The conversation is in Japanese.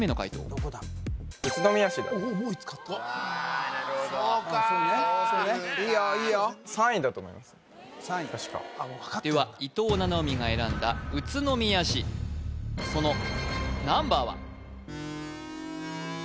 確かもう分かってんだでは伊藤七海が選んだ宇都宮市そのナンバーは？